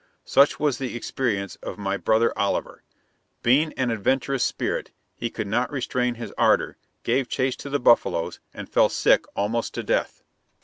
Such was the experience of my brother Oliver. Being of an adventurous spirit, he could not restrain his ardor, gave chase to the buffaloes, and fell sick almost to death.